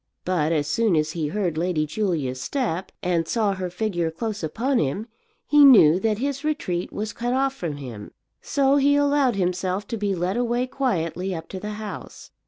But as soon as he heard Lady Julia's step, and saw her figure close upon him, he knew that his retreat was cut off from him. So he allowed himself to be led away quietly up to the house.